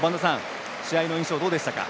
試合の印象どうでしたか？